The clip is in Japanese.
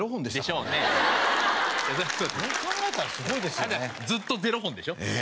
あなたずっと０本でしょ？